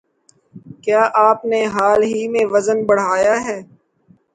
کیا آپ نے حال ہی میں وزن بڑهایا ہے